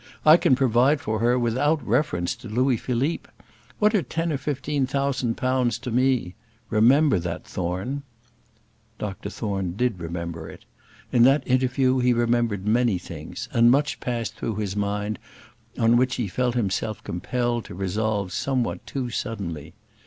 I can provide for her without reference to Louis Philippe. What are ten or fifteen thousand pounds to me? Remember that, Thorne." Dr Thorne did remember it. In that interview he remembered many things, and much passed through his mind on which he felt himself compelled to resolve somewhat too suddenly.